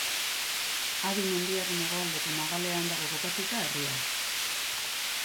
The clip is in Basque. Adi mendiaren hegoaldeko magalean dago kokatuta herri hau.